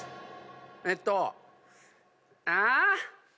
えっとあ！